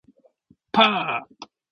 His parents divorced when he was eleven.